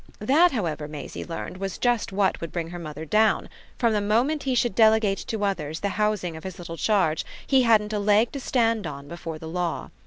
That, however, Maisie learned, was just what would bring her mother down: from the moment he should delegate to others the housing of his little charge he hadn't a leg to stand on before the law.